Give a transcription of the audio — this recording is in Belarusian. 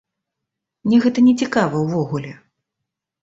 Мне гэта нецікава ўвогуле.